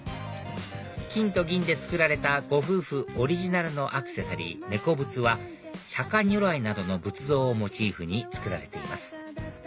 金と銀で作られたご夫婦オリジナルのアクセサリー猫仏は釈如来などの仏像をモチーフに作られています